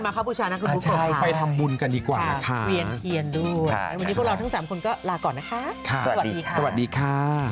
ลาก่อนนะคะสวัสดีค่ะสวัสดีค่ะ